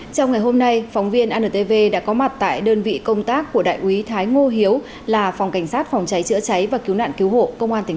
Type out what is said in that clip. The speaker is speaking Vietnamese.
trong ngày hôm nay phóng viên antv đã có mặt tại đơn vị công tác của đại úy thái ngô hiếu là phòng cảnh sát phòng cháy chữa cháy và cứu nạn cứu hộ công an tỉnh